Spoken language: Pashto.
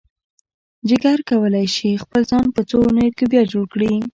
جگر کولی شي خپل ځان په څو اونیو کې بیا جوړ کړي.